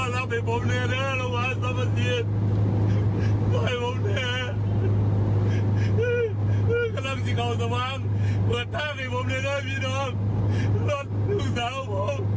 แม่บุคคลบทุกคนลูกสาว